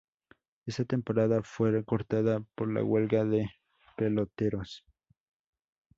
Esta temporada fue recortada por la huelga de peloteros.